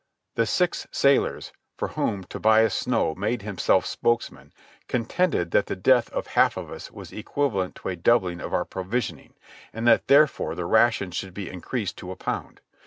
The six sailors, for whom Tobias Snow made himself spokesman, contended that the death of half of us was equivalent to a doubling of our provisioning, and that therefore the ration should be increased to a pound.